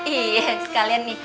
iya sekalian nih